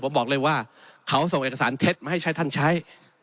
ผมบอกเลยว่าเขาส่งเอกสารเท็จมาให้ใช้ท่านใช้